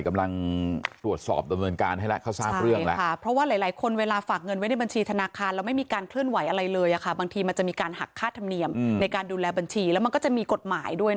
กำลังตรวจสอบประเมินการให้แล้วเขาทราบเรื่องแล้ว